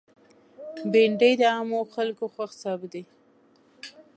بېنډۍ د عامو خلکو خوښ سابه ده